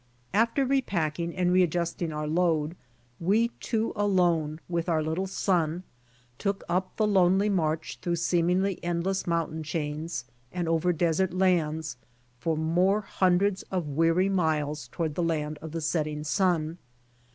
After re packing and re adjusting our load, we two alone with our little son took up the lonely march through seemingly endless mountain chains, and over desert lands for more hundreds of weary miles toward the land of the setting sun.